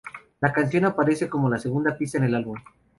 La canción aparece como la segunda pista en el álbum.